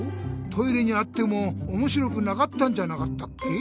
トイレにあってもおもしろくなかったんじゃなかったっけ？